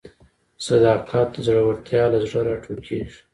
صداقت د زړورتیا له زړه راټوکېږي.